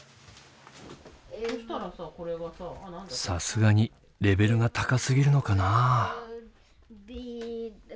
さすがにレベルが高すぎるのかなあ？